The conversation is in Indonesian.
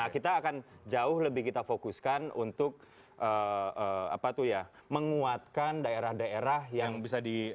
kita akan jauh lebih kita fokuskan untuk menguatkan daerah daerah yang bisa di